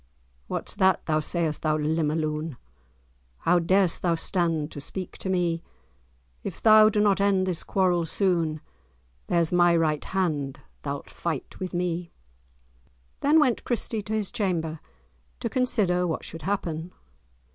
"What's that, thou sayst, thou limmer loon? How darest thou stand to speak to me? If thou do not end this quarrel soon, There's my right hand, thou'lt fight with me!" Then went Christie to his chamber, to consider what should happen.